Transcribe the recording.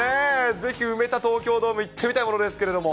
ぜひ埋めた東京ドーム行ってみたいものですけれども。